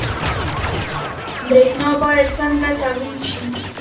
برښنا باید څنګه تولید شي؟